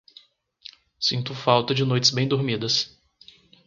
Sinto falta de noites bem-dormidas.